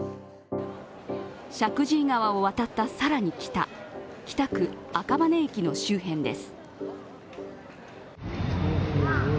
石神井川を渡った更に北、北区赤羽駅の周辺です。